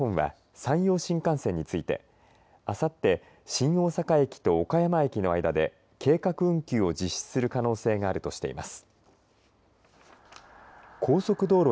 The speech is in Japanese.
また、ＪＲ西日本は山陽新幹線についてあさって新大阪駅と岡山駅の間で計画運休を実施する可能性があるとしています。